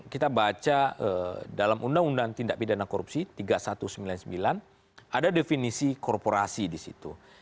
kita baca dalam undang undang tindak pidana korupsi tiga ribu satu ratus sembilan puluh sembilan ada definisi korporasi di situ